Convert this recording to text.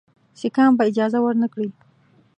سیکهان به اجازه ورنه کړي.